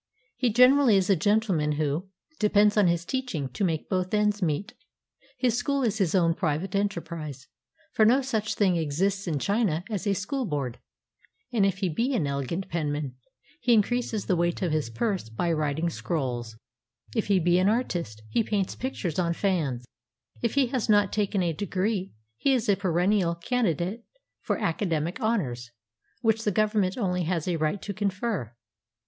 He generally is a gentleman who 214 WHEN I WENT TO SCHOOL IN CHINA depends on his teaching to make both ends meet; — his school is his own private enterprise, — for no such thing exists in China as a "school board," — and if he be an elegant penman, he increases the weight of his purse by writing scrolls; if he be an artist, he paints pictures on fans. If he has not taken a degree, he is a perennial can didate for academic honors, which the Government only has a right to confer.